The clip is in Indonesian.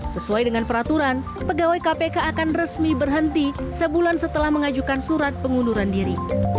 sesuai dengan peraturan pegawai kpk akan resmi berhenti sebulan setelah mengajukan surat pengunduran diri